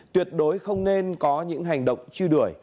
tuyệt đối không nên có những hành động truy đuổi